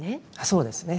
そうですね。